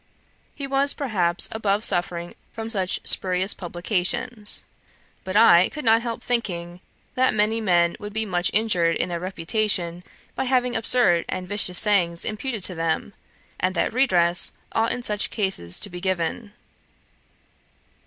He was, perhaps, above suffering from such spurious publications; but I could not help thinking, that many men would be much injured in their reputation, by having absurd and vicious sayings imputed to them; and that redress ought in such cases to be given.